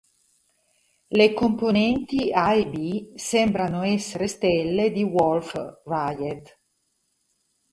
Le componenti A e B sembrano essere stelle di Wolf-Rayet.